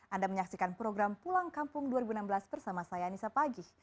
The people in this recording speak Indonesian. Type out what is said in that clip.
anda menyaksikan program pulang kampung dua ribu enam belas bersama saya anissa pagih